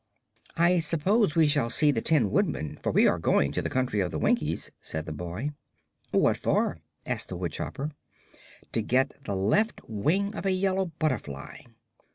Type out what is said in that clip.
"I suppose we shall see the Tin Woodman, for we are going to the Country of the Winkies," said the boy. "What for?" asked the woodchopper. "To get the left wing of a yellow butterfly."